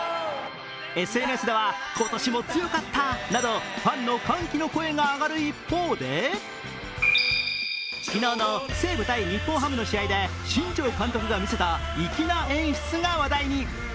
ＳＮＳでは今年も強かったなどファンの歓喜の声が上がる一方で昨日の西武×日本ハムの試合で新庄監督が見せた粋な演出が話題に。